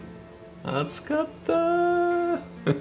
暑かった。